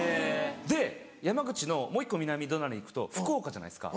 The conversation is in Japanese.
で山口のもう１個南隣行くと福岡じゃないですか。